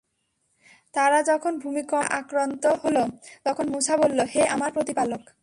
তারা যখন ভূমিকম্প দ্বারা আক্রান্ত হল, তখন মূসা বলল, হে আমার প্রতিপালক!